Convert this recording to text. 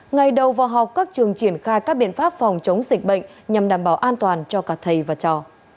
ngày đầu vào học các trường triển khai các biện pháp phòng chống dịch bệnh nhằm đảm bảo an toàn cho cả thầy và trò